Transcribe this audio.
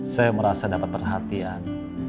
saya merasa dapat perhatian